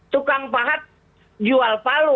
tukang pahat jual palu